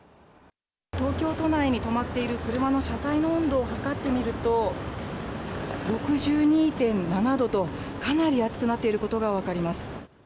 東京都内に止まっている車の車体の温度を測ってみると、６２．７度と、かなり熱くなっていることが分かります。